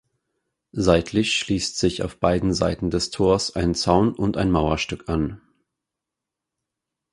Seitlich schließt sich auf beiden Seiten des Tors ein Zaun und ein Mauerstück an.